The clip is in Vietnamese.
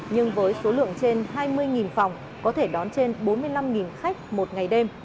nhưng với số lượng trên hai mươi phòng có thể đón trên bốn mươi năm khách một ngày đêm